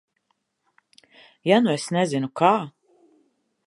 Ja nu es nezinu, kā?